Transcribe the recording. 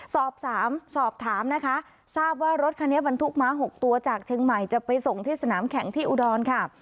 สอบถามสอบถามนะคะทราบว่ารถคันนี้บรรทุกม้า๖ตัวจากเชียงใหม่จะไปส่งที่สนามแข่งที่อุดรค่ะ